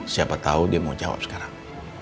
siapa tahu dia mau jawab sekarang